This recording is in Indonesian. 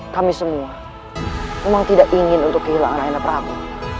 kami semua memang tidak ingin untuk kehilangan ayah anda prabu